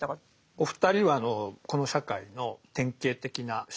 お二人はこの社会の典型的な市民です。